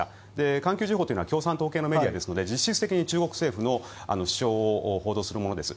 環球時報というのは共産党のメディアですので実質的に中国政府の主張を報道するものです。